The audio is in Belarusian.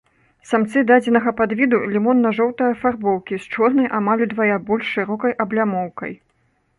Самцы дадзенага падвіду лімонна-жоўтай афарбоўкі з чорнай, амаль удвая больш шырокай аблямоўкай.